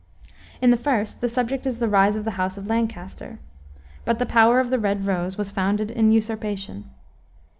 In the first the subject is the rise of the house of Lancaster. But the power of the Red Rose was founded in usurpation.